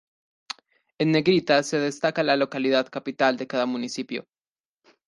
En negrita se destaca la localidad capital de cada municipio.